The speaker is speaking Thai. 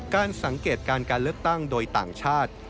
การสังเกตการการเลือกตั้งโดยต่างชาติ